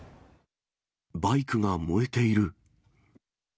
バイクが燃えている。